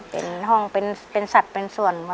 เป็นห้องเป็นสัตว์เป็นส่วน